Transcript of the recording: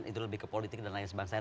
itu lebih ke politik dan lain sebagainya